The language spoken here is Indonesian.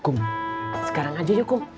kum sekarang aja yuk kum